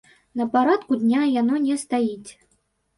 На парадку дня яно не стаіць.